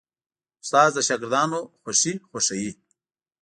استاد د شاګردانو خوښي خوښوي.